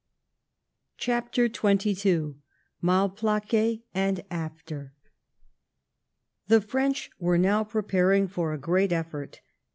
CHAPTER XXn MALPLAQUET — AND AFTER The French were now preparing for a great effort.